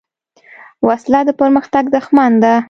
وسله د پرمختګ دښمن ده